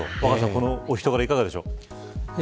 この人柄いかがでしょう。